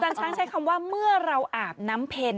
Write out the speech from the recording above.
ช้างใช้คำว่าเมื่อเราอาบน้ำเพ็ญ